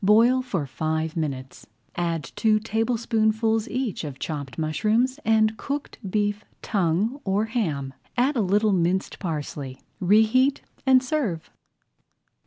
Boil for five minutes, add two tablespoonfuls each of chopped mushrooms and cooked beef tongue or ham. Add a little minced parsley, reheat, and serve.